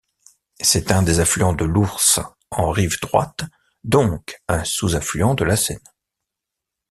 C'est un affluent de l’Ource en rive droite, donc un sous-affluent de la Seine.